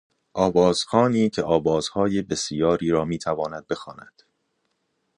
آوازخوانی که آوازهای بسیاری را میتواند بخواند